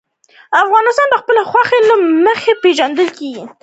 افغانستان د خپلو غوښې له مخې پېژندل کېږي.